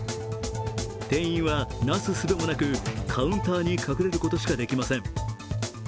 店員は、なすすべもなく、カウンターに隠れることしかできません。